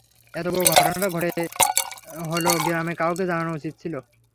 এত বড় ঘটনাটা হলো গ্রামের কাউকে জানানো উচিত ছিল।